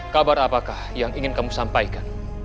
kabar apakah yang ingin kamu sampaikan